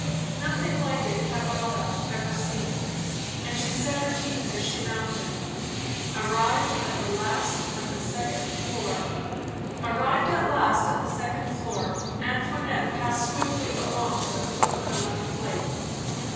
Nothing like it had Rotha ever seen, and she set her teeth as she mounted. Arrived at last at the second floor, Antoinette passed swiftly along to the foot of another flight.